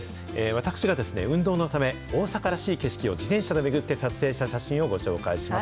私が運動のため、大阪らしい景色を自転車で巡って撮影した写真をご紹介します。